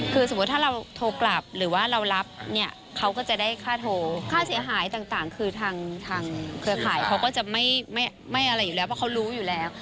คือสมมุติถ้าเราโทรกลับหรือว่าเรารับเนี่ยเขาก็จะได้ค่าโทรค่าเสียหายต่างคือทางเครือข่ายเขาก็จะไม่อะไรอยู่แล้วเพราะเขารู้อยู่แล้ว